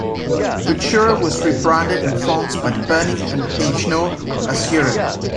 Futura was rebranded in France by Deberny and Peignot as "Europe".